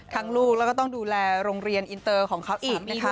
ลูกแล้วก็ต้องดูแลโรงเรียนอินเตอร์ของเขาอีกนะคะ